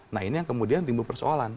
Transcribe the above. nah ini yang kemudian timbul persoalan